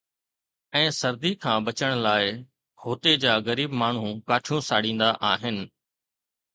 ۽ سردي کان بچڻ لاءِ هتي جا غريب ماڻهو ڪاٺيون ساڙيندا آهن.